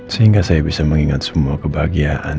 sehingga saya bisa mengingat semua kebahagiaan